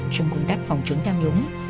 trong công tác phòng chứng tham nhũng